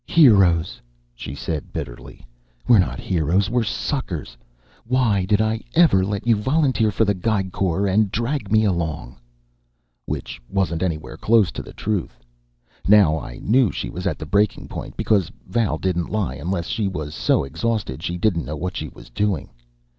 "Heroes," she said bitterly. "We're not heroes we're suckers! Why did I ever let you volunteer for the Geig Corps and drag me along?" Which wasn't anywhere close to the truth. Now I knew she was at the breaking point, because Val didn't lie unless she was so exhausted she didn't know what she was doing.